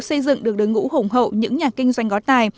xây dựng được đối ngũ hủng hậu những nhà kinh doanh gói tài